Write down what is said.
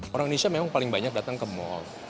orang indonesia memang paling banyak datang ke mall